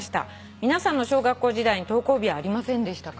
「皆さんの小学校時代に登校日はありませんでしたか？」